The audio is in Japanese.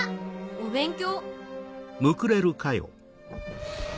お勉強。